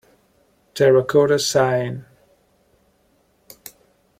Terracotta Sighing.